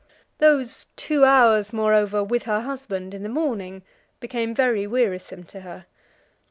Those two hours, moreover, with her husband in the morning became very wearisome to her.